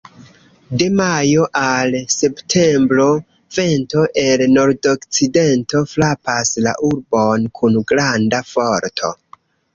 De majo al septembro, vento el nordokcidento frapas la urbon kun granda forto.